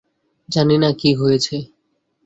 জানি না কী হয়েছে!